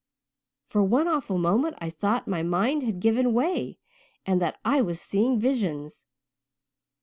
For one awful moment I thought my mind had given way and that I was seeing visions.